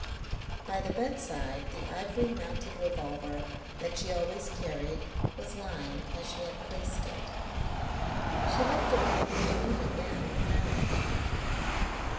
By the bedside the ivory mounted revolver that she always carried was lying as she had placed it. She looked around the room again, frowning.